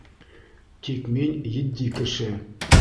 Тик мин етди кеше.